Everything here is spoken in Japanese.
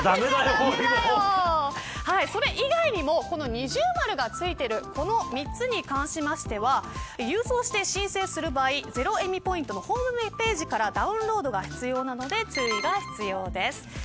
それ以外にも二重丸がついている３つに関しては郵送して申請する場合ゼロエミポイントのホームページからダウンロードが必要なので注意が必要です。